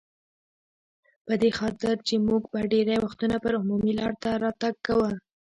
په دې خاطر چې موږ به ډېری وختونه پر عمومي لار تګ راتګ کاوه.